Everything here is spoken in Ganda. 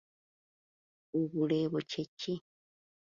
Obuleebo kye ki?